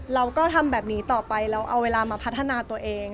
เราก็ทำแบบนี้ต่อไปเราเอาเวลามาพัฒนาตัวเอง